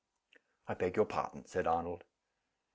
"I beg your pardon," said Arnold.